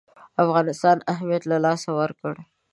افغانستان اهمیت له لاسه ورکړ.